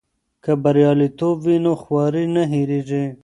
که بریالیتوب وي نو خواري نه هېریږي.